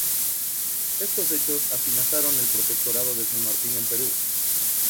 Estos hechos afianzaron el protectorado de San Martín en Perú.